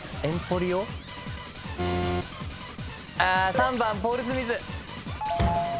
３番ポール・スミス。